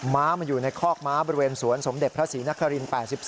ม้ามันอยู่ในคอกม้าบริเวณสวนสมเด็จพระศรีนคริน๘๒